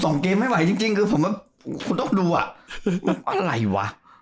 ส่องเกมไม่ไหวจริงคือผมว่าคุณต้องดูอ่ะอะไรวะ